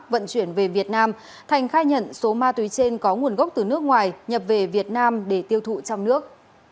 vận chuyển về việt nam thành khai nhận số ma túy trên có nguồn gốc từ nước ngoài nhập về việt nam để tiêu thụ trong nước